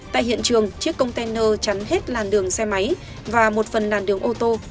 tại hiện trường chiếc container chắn hết làn đường xe máy và một phần làn đường ô tô